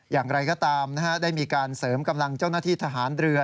อย่างไรก็ตามได้มีการเสริมกำลังเจ้าหน้าที่ทหารเรือ